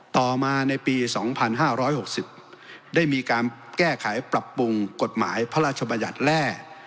ต่อมาในปี๒๕๖๐ได้มีการแก้ไขปรับปรุงกฎหมายพระราชบัญญัติแร่